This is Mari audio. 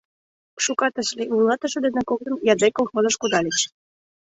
Шукат ыш лий, вуйлатыше дене коктын Ядек колхозыш кудальыч.